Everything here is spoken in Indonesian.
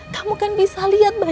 kamu maau seperti itu